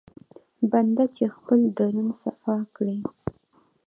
بنده چې خپل درون صفا کړي.